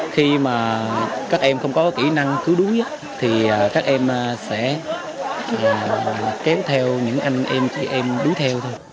khi mà các em không có kỹ năng cứu đuối thì các em sẽ kéo theo những anh em chị em đúi theo thôi